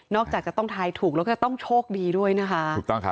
นอกจากจะต้องทายถูกแล้วก็จะต้องโชคดีด้วยนะคะ